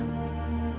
kamu gak usah takut